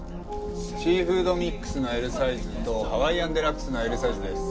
シーフードミックスのＬサイズとハワイアンデラックスのＬサイズです。